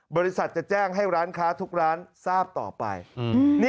บริษัทจะแจ้งให้ร้านค้าทุกร้านทราบต่อไป